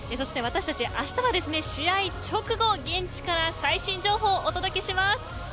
そして私たち、あしたは試合直後、現地から最新情報をお届けします。